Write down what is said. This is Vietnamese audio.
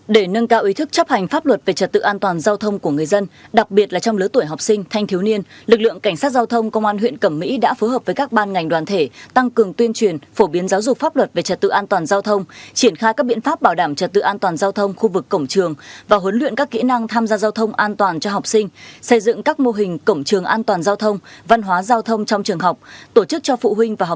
để nâng cao ý thức chấp hành pháp luật về trật tự an toàn giao thông của người dân đặc biệt là trong lứa tuổi học sinh thanh thiếu niên lực lượng cảnh sát giao thông công an huyện cẩm mỹ đã phối hợp với các ban ngành đoàn thể tăng cường tuyên truyền phổ biến giáo dục pháp luật về trật tự an toàn giao thông triển khai các biện pháp bảo đảm trật tự an toàn giao thông khu vực cổng trường và huấn luyện các kỹ năng tham gia giao thông an toàn cho học sinh xây dựng các mô hình cổng trường an toàn giao thông văn hóa giao th